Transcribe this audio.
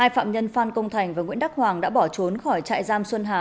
hai phạm nhân phan công thành và nguyễn đắc hoàng đã bỏ trốn khỏi trại giam xuân hà